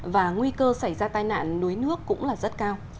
và nguy cơ xảy ra tai nạn đuối nước cũng là rất cao